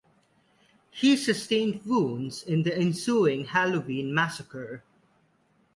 He sustained wounds in the ensuing Halloween Massacre.